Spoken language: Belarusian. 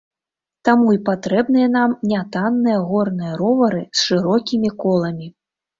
Таму і патрэбныя нам нятанныя горныя ровары з шырокімі коламі.